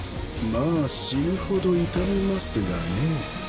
まあ死ぬほど痛みますがね。